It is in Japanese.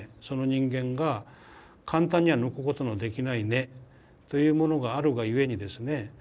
その人間が簡単には抜くことのできない根というものがあるがゆえにですね